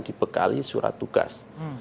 dibekali surat tugas